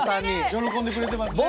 喜んでくれてますね。